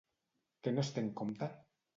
Què no es té en compte?